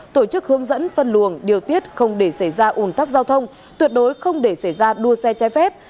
tổ chức hướng dẫn phân luồng điều tiết không để xảy ra ủn tắc giao thông tuyệt đối không để xảy ra đua xe trái phép